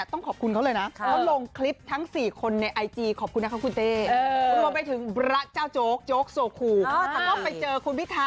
แต่ก็ไปเจอคุณพิธาในงานนี้เหมือนกัน